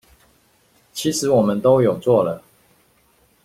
其實我們都有做了